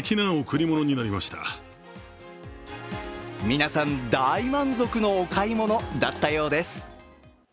皆さん、大満足のお買い物だったようです。